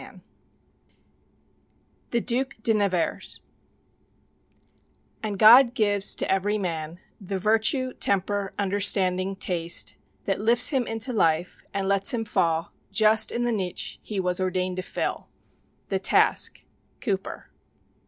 VII The "Duc de Nevers" "And God gives to every man The virtue, temper, understanding, taste, That lifts him into life, and lets him fall Just in the niche he was ordained to fill." "The Task" COWPER.